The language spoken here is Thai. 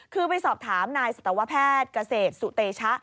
คือไปสอบถามนายสัตวแพทย์เกษตรสุเตชะ